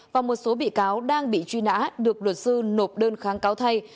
và một số bị cáo đang bị truy nã được luật sư nộp đơn kháng cáo thay